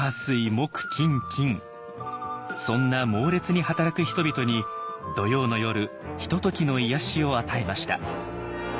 そんな猛烈に働く人々に土曜の夜ひとときの癒やしを与えました。